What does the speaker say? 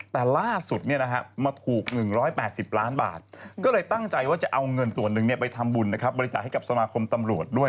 แต่ล่าสุดมาถูก๑๘๐ล้านบาทก็เลยตั้งใจว่าจะเอาเงินส่วนหนึ่งไปทำบุญนะครับบริจาคให้กับสมาคมตำรวจด้วย